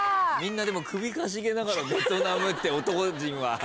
みんなでも首かしげながら「ベトナム」って男陣は。